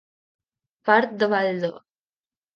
Part davall de.